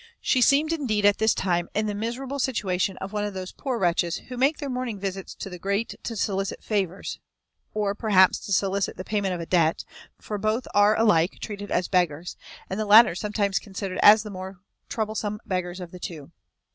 She seemed, indeed, at this time, in the miserable situation of one of those poor wretches who make their morning visits to the great to solicit favours, or perhaps to solicit the payment of a debt, for both are alike treated as beggars, and the latter sometimes considered as the more troublesome beggars of the two.